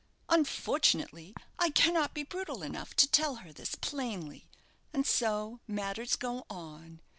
Unfortunately, I cannot be brutal enough to tell her this plainly: and so matters go on.